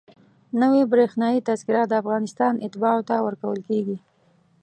نوې برېښنایي تذکره د افغانستان اتباعو ته ورکول کېږي.